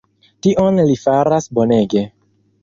Tion li faras bonege.